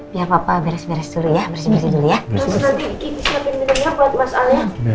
biar papa beres beres dulu ya bersih bersih dulu ya